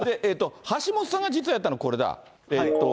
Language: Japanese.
橋下さんが実際やったのこれだ。